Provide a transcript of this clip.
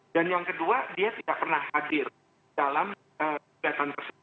dan yang kedua dia tidak pernah hadir dalam kegiatan tersebut